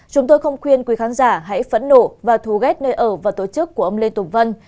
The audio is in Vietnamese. chúng tôi không khuyên quý khán giả hãy phẫn nộ và thú ght nơi ở và tổ chức của ông lê tùng vân